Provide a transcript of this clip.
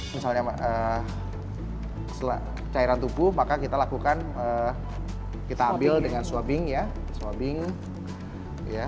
misalnya cairan tubuh maka kita lakukan kita ambil dengan swabbing ya swabbing